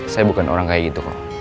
saya bukan orang kayak itu kok